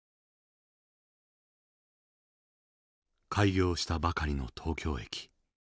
開業したばかりの東京駅。